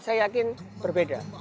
saya yakin berbeda